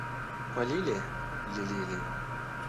Полили ли лилию?